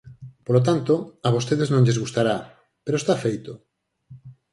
Polo tanto, a vostedes non lles gustará, pero está feito.